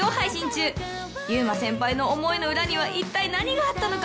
優馬先輩の思いの裏には一体何があったのか？